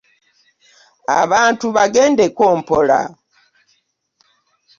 Abantu bagendeke mpola.